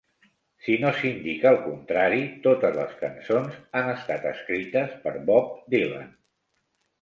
Si no s'indica el contrari, totes les cançons han estat escrites per Bob Dylan.